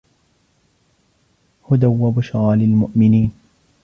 هُدًى وَبُشْرَى لِلْمُؤْمِنِينَ